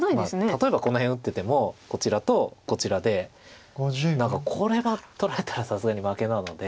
例えばこの辺打っててもこちらとこちらで何かこれが取られたらさすがに負けなので。